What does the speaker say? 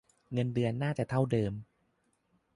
เงินเดือนน่าจะเท่าเดิม.